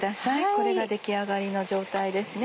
これが出来上がりの状態ですね。